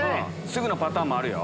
すぐのパターンもあるよ。